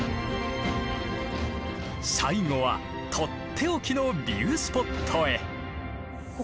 最後は取って置きのビュースポットへ。